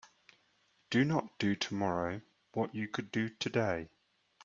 Do not do tomorrow what you could do today.